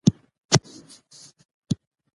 عامه پریکړې باید روښانه وي.